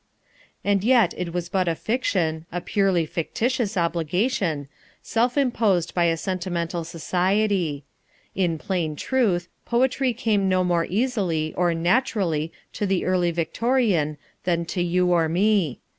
And yet it was but a fiction, a purely fictitious obligation, self imposed by a sentimental society. In plain truth, poetry came no more easily or naturally to the early Victorian than to you or me.